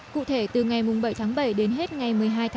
cụ thể từ ngày bảy bảy đến hết ngày một mươi hai tám